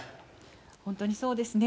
本当にそうですね。